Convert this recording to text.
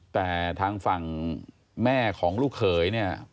แต่ทางฝั่งแม่ของลูกเขยเนี่ย